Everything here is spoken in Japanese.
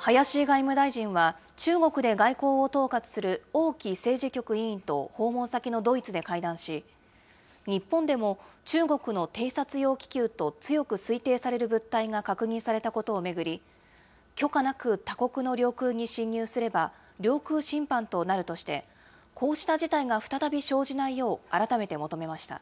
林外務大臣は中国で外交を統括する王毅政治局委員と訪問先のドイツで会談し、日本でも中国の偵察用気球と強く推定される物体が確認されたことを巡り、許可なく他国の領空に侵入すれば、領空侵犯となるとして、こうした事態が再び生じないよう改めて求めました。